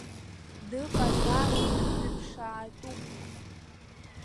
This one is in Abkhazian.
Дыҟазароуп, дыԥшаатәуп!